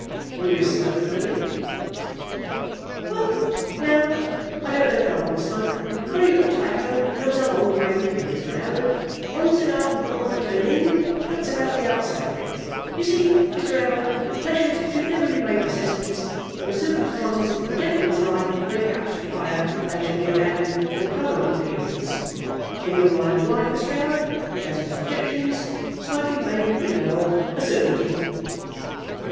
"Will you smoke, Billy?" said he. "Well; no, I don't know that I will smoke. A very little tobacco goes a long way with me, Mr. 'Oward. One cigar before I turn in; that's about the outside of it. You see, Mr. 'Oward, pleasures should never be made necessities, when the circumstances of a gentleman's life may perhaps require that they shall be abandoned for prolonged periods. In your line of life, Mr. 'Oward, which has its objections, smoking may be pretty well a certainty."